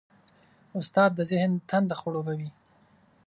استاد د ذهن تنده خړوبوي.